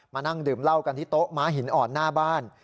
นั่งดื่มเหล้ากันที่โต๊ะม้าหินอ่อนหน้าบ้าน